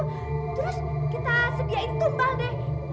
terus kita sediain tumbal deh